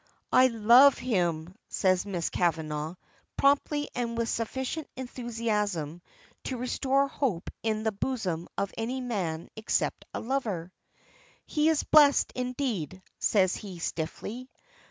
"I love him," says Miss Kavanagh promptly and with sufficient enthusiasm to restore hope in the bosom of any man except a lover. "He is blessed indeed," says he stiffly.